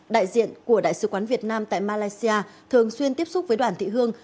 đại diện của đại sứ quán việt nam tại malaysia thường xuyên tiếp xúc với đoàn thị hương